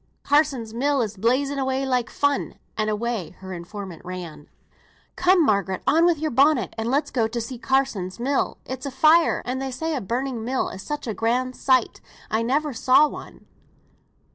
Carsons' mill is blazing away like fun;" and away her informant ran. "Come, Margaret, on wi' your bonnet, and let's go to see Carsons' mill; it's afire, and they say a burning mill is such a grand sight. I never saw one."